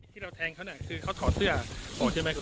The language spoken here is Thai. ที่เราแทงเขาน่ะคือเขาถอดเสื้อออกใช่ไหม